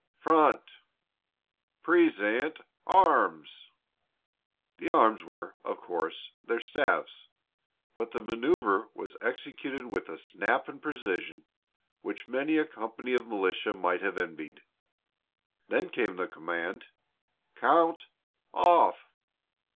Front! Present arms!" The "arms" were, of course, their staves, but the manoeuver was executed with a snap and precision which many a company of militia might have envied. Then came the command, "Count off!"